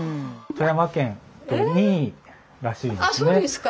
富山県２位らしいんですね。